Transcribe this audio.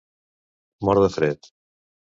Mort de fred.